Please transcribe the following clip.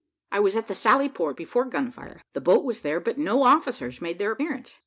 I was at the sally port before gun fire the boat was there, but no officers made their appearance.